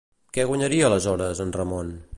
Què guanyaria aleshores, en Ramon?